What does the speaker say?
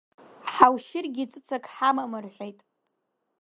Ҳаушьыргьы ҵәыцак ҳамам, — рҳәеит.